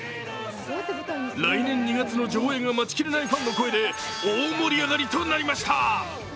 来年２月の上演が待ちきれないファンの声で大盛り上がりとなりました。